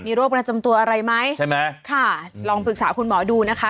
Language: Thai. โรคประจำตัวอะไรไหมใช่ไหมค่ะลองปรึกษาคุณหมอดูนะคะ